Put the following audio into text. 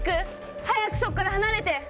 早くそこから離れて！